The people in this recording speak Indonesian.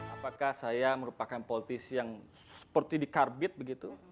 apakah saya merupakan politisi yang seperti di karbit begitu